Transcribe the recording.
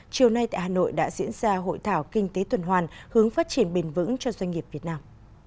chiều nay tại hà nội đã diễn ra hội thảo kinh tế tuần hoàn hướng phát triển bền vững cho doanh nghiệp việt nam